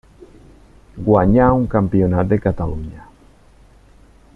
Guanyà un Campionat de Catalunya.